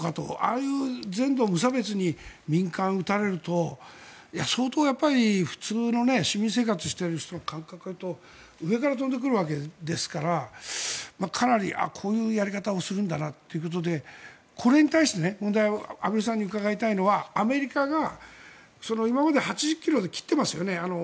ああいう全土無差別に民間を撃たれると相当、普通の市民生活をしている人の感覚からいうと上から飛んでくるわけですからかなりこういうやり方をするんだなということでこれに対して、問題は畔蒜さんに伺いたいのはアメリカが今まで８０ｋｍで切っていますよね。